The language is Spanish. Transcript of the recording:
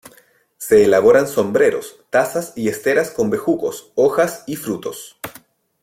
Se elaboran sombreros, tazas y esteras con bejucos, hojas y frutos.